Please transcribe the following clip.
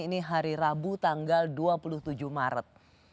ini hari rabu tanggal dua puluh tujuh maret